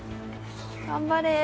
頑張れ。